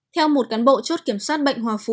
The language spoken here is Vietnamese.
theo một cán bộ chốt kiểm soát bệnh hòa phú